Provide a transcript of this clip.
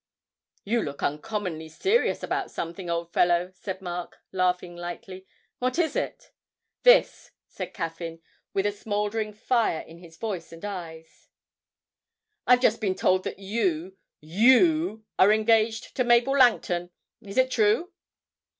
'You look uncommonly serious about something, old fellow,' said Mark, laughing lightly; 'what is it?' 'This,' said Caffyn, with a smouldering fire in his voice and eyes; 'I've just been told that you you are engaged to Mabel Langton. Is it true?'